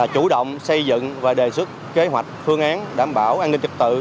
chủ động xây dựng và đề xuất kế hoạch phương án đảm bảo an ninh trật tự